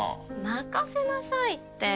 任せなさいって。